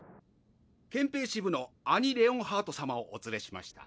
憲兵支部のアニ・レオンハート様をお連れしました。